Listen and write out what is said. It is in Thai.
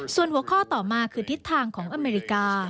ส่วนหัวข้อต่อมาคือทิศทางของอเมริกา